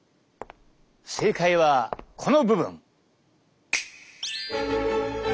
正解はこの部分。